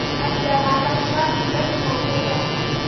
ښتې د افغان ماشومانو د زده کړې موضوع ده.